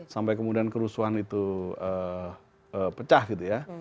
sampai kemudian kerusuhan itu pecah gitu ya